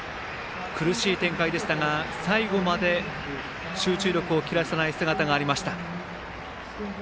苦しい展開でしたが最後まで集中力を切らさない姿がありました。